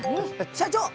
社長！